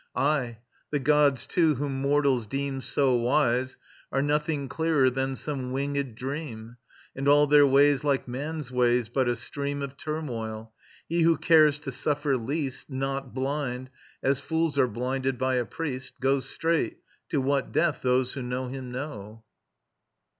Aye; the gods too, whom mortals deem so wise, Are nothing clearer than some winged dream; And all their ways, like man's ways, but a stream Of turmoil. He who cares to suffer least, Not blind, as fools are blinded, by a priest, Goes straight... to what death, those who know him know.